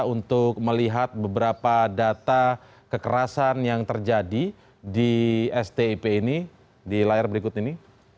untuk melihat beberapa data kekerasan yang terjadi di stip ini di layar berikut ini